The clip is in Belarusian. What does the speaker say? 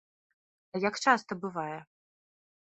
А як часта бывае?